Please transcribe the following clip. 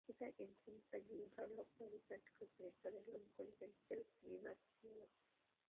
Este intenta ayudarlo para evitar que los militares lo encuentren, pero termina asesinado.